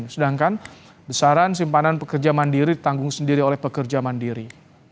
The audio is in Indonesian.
sedangkan besaran simpanan pekerja mandiri ditanggung sendiri oleh pekerja mandiri